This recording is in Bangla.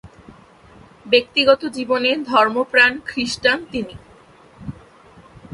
ব্যক্তিগত জীবনে ধর্মপ্রাণ খ্রিস্টান তিনি।